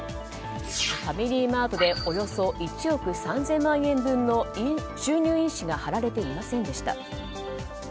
ファミリーマートでおよそ１億３０００万円分の収入印紙が貼られていませんでした。